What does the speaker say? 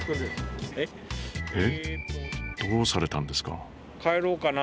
えっどうされたんですか？